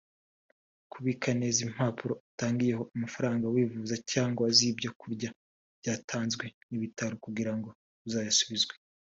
Kubika neza impapuro utangiyeho amafaranga wivuza cyangwa iz’ibyo kurya byatanzwe n’ibitaro kugirango uzayasubizwe